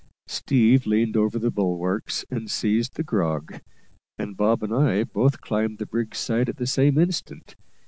"Steve" leaned over the bulwarks and seized the grog, and Bob and I both climbed the brig's side at the same instant.